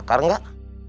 kamu tau makar gak